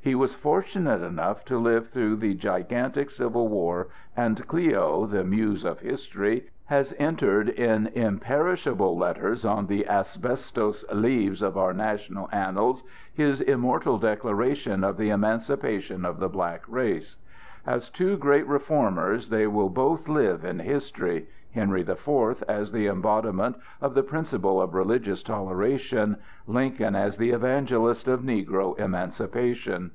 He was fortunate enough to live through the gigantic Civil War, and Clio, the Muse, of History, has entered in imperishable letters on the asbestos leaves of our national annals his immortal declaration of the emancipation of the black race. As two great reformers they will both live in history,—Henry the Fourth, as the embodiment of the principle of religious toleration, Lincoln as the evangelist of negro emancipation.